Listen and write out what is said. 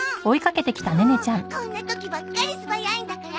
もうこんな時ばっかり素早いんだから。